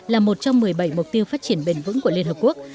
là một trong một mươi bảy mục tiêu phát triển bền vững của liên hợp quốc